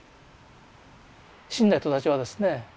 死んだ人たちはですね